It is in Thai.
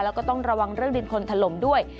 แล้วก็ต้องระวังเรื่องดินคนถล่มด้วย